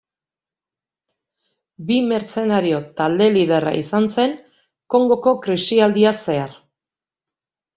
Bi mertzenario talde liderra izan zen Kongoko krisialdia zehar.